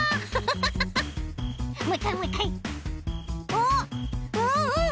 おっうんうん。